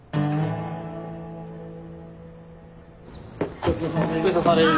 ごちそうさまです。